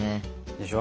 でしょ？